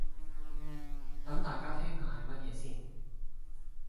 等大家聽下係乜嘢先